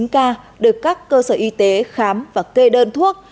bốn mươi chín ca được các cơ sở y tế khám và kê đơn thuốc